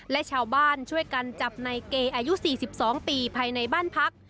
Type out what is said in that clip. และชาวบ้านช่วยกันจับในเกย์อายุ๔๒ปีภายในบ้านพัก